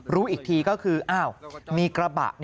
รู้อีกทีก็คืออ้าวมีกระบะ